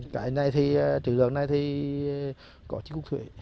cái này thì trữ lượng này thì có trí quốc thuệ